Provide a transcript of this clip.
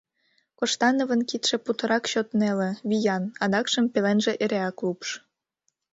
Коштановын кидше путырак чот неле, виян, адакшым пеленже эреак лупш.